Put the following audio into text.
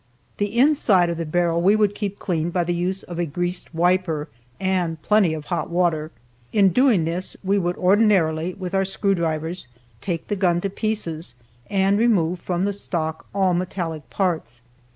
The inside of the barrel we would keep clean by the use of a greased wiper and plenty of hot water. In doing this, we would ordinarily, with our screw drivers, take the gun to pieces, and remove from the stock all metallic parts.